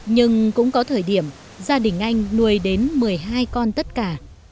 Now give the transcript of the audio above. nhưng cũng có thời điểm gia đình anh nuôi đến một mươi hai con tất cả